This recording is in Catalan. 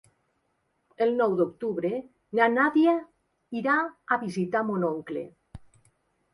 El nou d'octubre na Nàdia irà a visitar mon oncle.